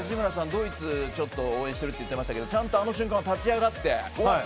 ドイツ応援してるって言ってましたけどあの瞬間は立ち上がってうおっ！